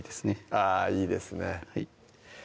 あぁいいですね